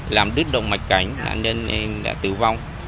làm đứt đồng mạch cảnh nạn nhân đã tử vong